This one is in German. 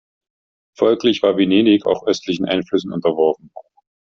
Folglich war Venedig auch östlichen Einflüssen unterworfen.